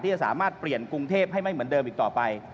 จะสามารถเปลี่ยนกรุงเทพให้ไม่เหมือนเดิมอีกต่อไป